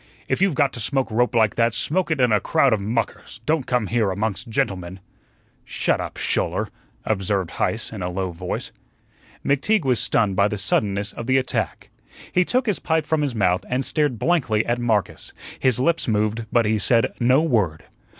If you've got to smoke rope like that, smoke it in a crowd of muckers; don't come here amongst gentlemen." "Shut up, Schouler!" observed Heise in a low voice. McTeague was stunned by the suddenness of the attack. He took his pipe from his mouth, and stared blankly at Marcus; his lips moved, but he said no word.